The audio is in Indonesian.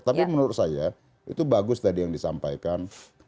tapi menurut saya itu bagus tadi yang disampaikan